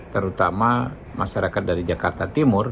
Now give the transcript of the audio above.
terutama masyarakat dari jakarta timur